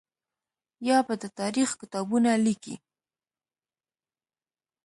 یا به د تاریخ کتابونه لیکي.